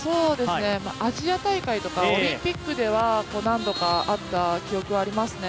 アジア大会とかオリンピックでは何度かあった記憶はありますね。